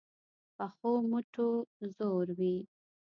پخو مټو زور وي